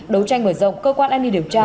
đấu tranh mở rộng cơ quan an ninh điều tra